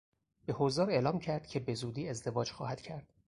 به حضار اعلام کرد که بزودی ازدواج خواهد کرد.